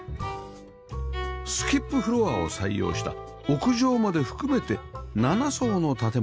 スキップフロアを採用した屋上まで含めて７層の建物